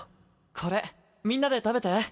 これみんなで食べて。